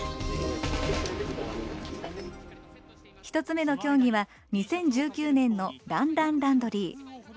１つ目の競技は２０１９年の「らん・ラン・ランドリー」。